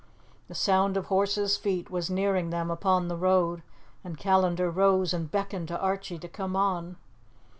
The sound of horses' feet was nearing them upon the road, and Callandar rose and beckoned to Archie to come on.